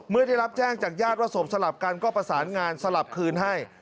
ได้รับแจ้งจากญาติว่าศพสลับกันก็ประสานงานสลับคืนให้